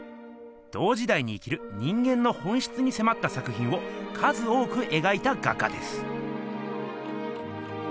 同時だいに生きる人間の本しつにせまった作品を数多くえがいた画家です。